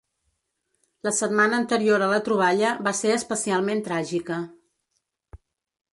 La setmana anterior a la troballa va ser especialment tràgica.